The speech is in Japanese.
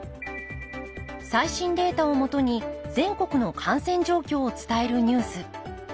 最新データをもとに全国の感染状況を伝えるニュース。